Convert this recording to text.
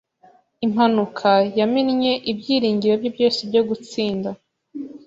Impanuka yamennye ibyiringiro bye byose byo gutsinda.